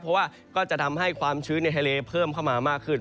เพราะว่าก็จะทำให้ความชื้นในทะเลเพิ่มเข้ามามากขึ้น